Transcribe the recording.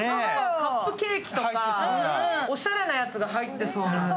カップケーキとかオシャレなやつが入ってそうな。